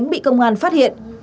khi công an phát hiện